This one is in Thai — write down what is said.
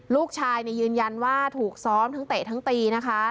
ลูกชายยืนยันว่าถูกซ้อมทั้งเตะทั้งตีนะคะ